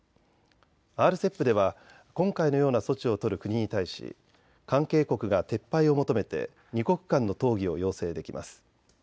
ＲＣＥＰでは今回のような措置を取る国に対し関係国が撤廃を求めて２国間の討議を要請できます。